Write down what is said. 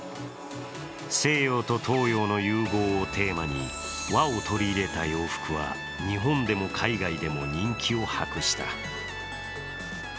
西洋と東洋の融合をテーマに和を取り入れた洋服は、日本でも海外でも人気を博した。